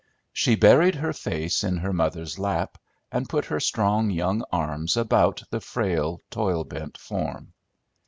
She buried her face in her mother's lap and put her strong young arms about the frail, toil bent form.